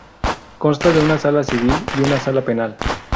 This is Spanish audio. Consta de una Sala Civil y una Sala Penal.